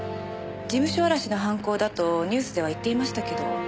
事務所荒らしの犯行だとニュースでは言っていましたけど。